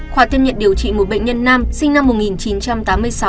khoa tiêm nhận điều trị một bệnh nhân nam sinh năm một nghìn chín trăm tám mươi sáu